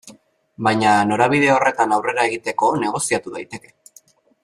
Baina norabide horretan aurrera egiteko negoziatu daiteke.